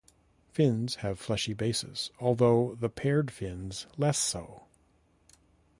Fins have fleshy bases although the paired fins less so.